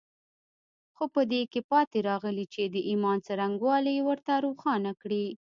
خو په دې کې پاتې راغلي چې د ايمان څرنګوالي ورته روښانه کړي.